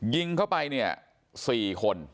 ยิงเข้าไปเนี่ย๔คน